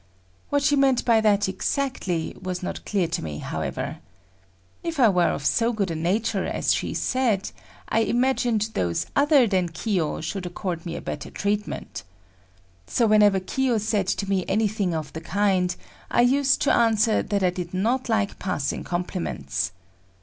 What she meant by that exactly, was not clear to me, however. If I were of so good a nature as she said, I imagined those other than Kiyo should accord me a better treatment. So whenever Kiyo said to me anything of the kind, I used to answer that I did not like passing compliments.